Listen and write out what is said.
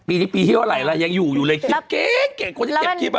ปีที่เที่ยวอะไรแล้วยังอยู่อยู่เลยคลิปเก่งคนที่เก็บคลิปอ่ะ